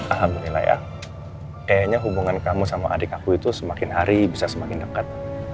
alhamdulillah ya kayaknya hubungan kamu sama adik aku itu semakin hari bisa semakin dekat